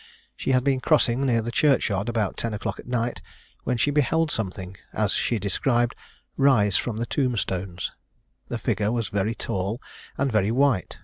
She had been crossing near the churchyard about ten o'clock at night, when she beheld something, as she described, rise from the tomb stones. The figure was very tall, and very white.